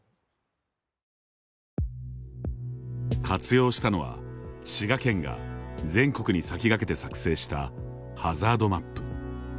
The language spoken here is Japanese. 活用したのは、滋賀県が全国に先駆けて作成したハザードマップ。